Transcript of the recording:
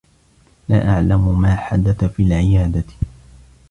لا أعلم ما حدث في العيادة.